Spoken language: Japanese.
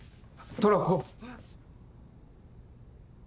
トラコ。